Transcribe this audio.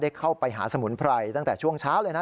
เข้าไปหาสมุนไพรตั้งแต่ช่วงเช้าเลยนะ